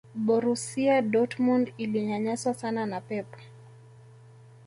borusia dortmund ilinyanyaswa sana na pep